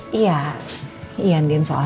diangatin normal ya